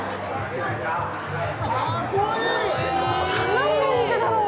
何の店だろう。